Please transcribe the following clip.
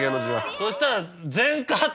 そしたら。